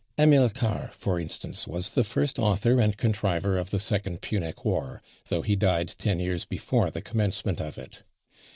Amilcar, for instance, was the first author and contriver of the second Punic war, though he died ten years before the commencement of it.